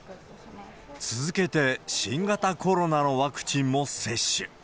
続けて、新型コロナのワクチンも接種。